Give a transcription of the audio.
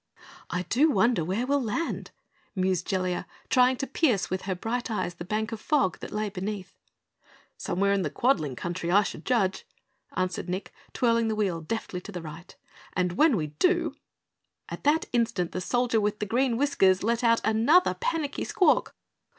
"I do wonder where we'll land?" mused Jellia, trying to pierce with her bright eyes the bank of fog that lay beneath. "Somewhere in the Quadling Country, I should judge," answered Nick, twirling the wheel deftly to the right. "And when we do " At that instant, the Soldier with Green Whiskers let out another panicky squawk.